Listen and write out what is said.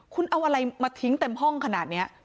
คุณเอาอะไรมาทิ้งเต็มห้องขนาดนี้